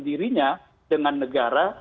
dirinya dengan negara